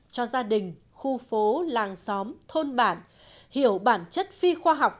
cho gia đình khu phố làng xóm thôn bản hiểu bản chất phi khoa học